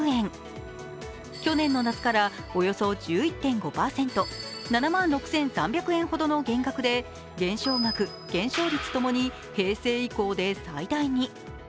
去年の夏からおよそ１１．５％、７万６３００円ほどの減額で減少額、減少率ともに平成以降で最大に。